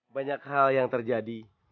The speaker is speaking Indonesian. banyak hal yang terjadi